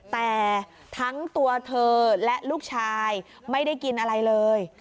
แต่ทั้งตัวเธอและลูกชายไม่ได้กินอะไรเลย